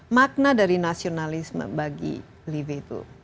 makna dari nasionalisme bagi livi itu